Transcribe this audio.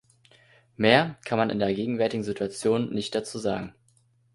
Mehr kann man in der gegenwärtigen Situation nicht dazu sagen.